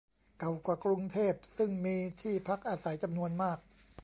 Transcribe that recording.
เก่ากว่ากรุงเทพ ซึ่งมีที่พักอาศัยจำนวนมาก